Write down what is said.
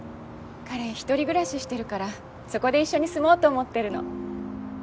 彼一人暮らししてるからそこで一緒に住もうと思ってるの。